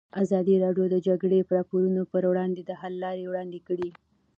ازادي راډیو د د جګړې راپورونه پر وړاندې د حل لارې وړاندې کړي.